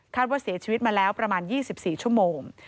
ว่าเสียชีวิตมาแล้วประมาณ๒๔ชั่วโมง